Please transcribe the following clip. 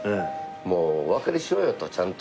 もうお別れしようよとちゃんと。